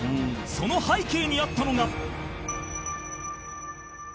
その背景にあったのが